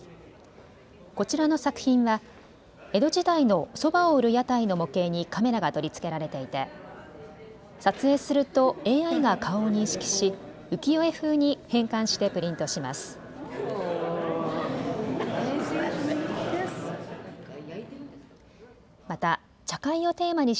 こちらの作品は江戸時代のそばを売る屋台の模型にカメラが取り付けられていて撮影するとＡＩが顔を認識し浮世絵風に変換してプリントします。